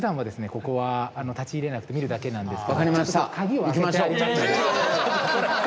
ここは立ち入れなくて見るだけなんですけどもちょっと鍵を開けてありますので。